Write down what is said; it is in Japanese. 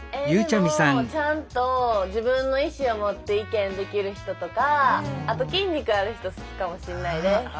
えっでもちゃんと自分の意思を持って意見できる人とかあと筋肉ある人好きかもしんないです。